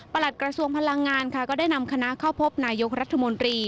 กระทรวงพลังงานค่ะก็ได้นำคณะเข้าพบนายกรัฐมนตรี